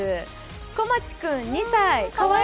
こまち君２歳。